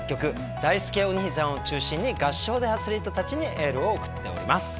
だいすけお兄さんを中心に合唱でアスリートたちにエールを送っております。